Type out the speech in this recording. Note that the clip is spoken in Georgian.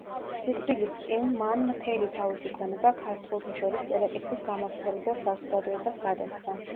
სიკვდილის წინ მან მთელი თავისი ქონება ქართველთა შორის წერა-კითხვის გამავრცელებელ საზოგადოებას გადასცა.